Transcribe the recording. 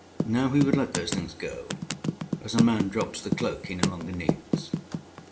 Now he would let those things go, as a man drops the cloak he no longer needs.